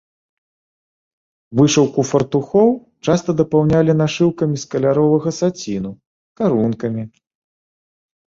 Вышыўку фартухоў часта дапаўнялі нашыўкамі з каляровага саціну, карункамі.